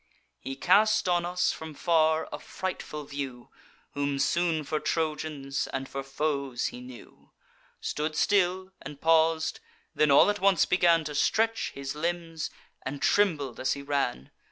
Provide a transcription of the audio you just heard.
He cast on us, from far, a frightful view, Whom soon for Trojans and for foes he knew; Stood still, and paus'd; then all at once began To stretch his limbs, and trembled as he ran.